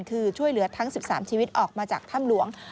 คือช่วยเหลือทั้ง๑๓ชีวิตออกมาจากถ้ำหลวง